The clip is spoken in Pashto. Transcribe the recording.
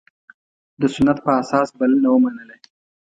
د سنت په اساس بلنه ومنله.